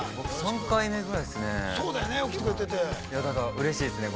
◆３回目ぐらいですね。